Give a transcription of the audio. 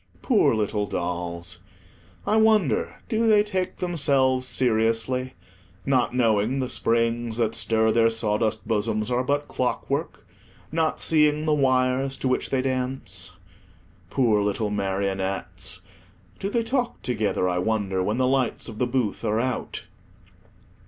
Poor little dolls! I wonder do they take themselves seriously, not knowing the springs that stir their sawdust bosoms are but clockwork, not seeing the wires to which they dance? Poor little marionettes! do they talk together, I wonder, when the lights of the booth are out?